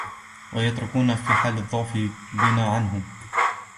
وَيَتْرُكُونَنَا فِي حَالِ الضَّعْفِ بِنَا عَنْهُمْ